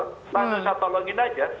maksudnya tolongin saja